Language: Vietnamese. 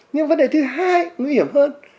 nhưng vấn đề thứ hai nguy hiểm hơn